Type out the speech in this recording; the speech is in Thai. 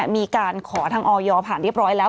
มีการขอทางออยผ่านเรียบร้อยแล้ว